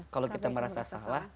kalau kita merasa salah